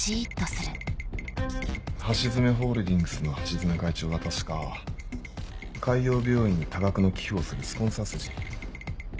橋爪ホールディングスの橋爪会長は確か海王病院に多額の寄付をするスポンサー筋。